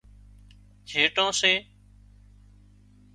جيٽان سي